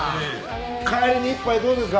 帰りに一杯どうですか？